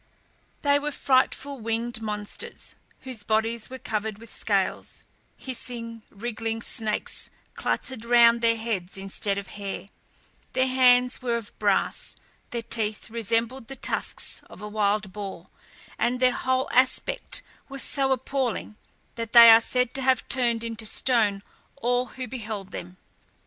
They were frightful winged monsters, whose bodies were covered with scales; hissing, wriggling snakes clustered round their heads instead of hair; their hands were of brass; their teeth resembled the tusks of a wild boar; and their whole aspect was so appalling, that they are said to have turned into stone all who beheld them.